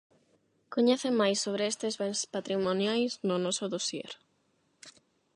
Coñece máis sobre estes bens patrimoniais no noso dosier.